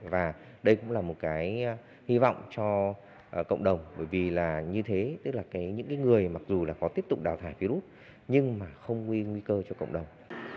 và đây cũng là một cái hy vọng cho cộng đồng bởi vì là như thế tức là những người mặc dù là có tiếp tục đào thải virus nhưng mà không gây nguy cơ cho cộng đồng